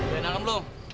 udah enak belum